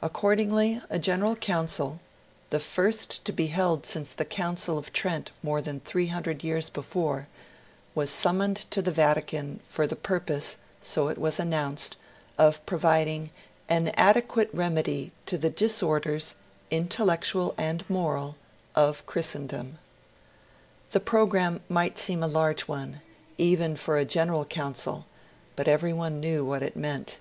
Accordingly, a General Council the first to be held since the Council of Trent more than 300 years before was summoned to the Vatican, for the purpose, so it was announced, of providing 'an adequate remedy to the disorders, intellectual and moral, of Christendom'. The programme might seem a large one, even for a General Council; but everyone knew what it meant.